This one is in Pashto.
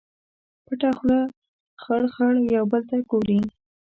پټه خوله خړ، خړ یو بل ته ګوري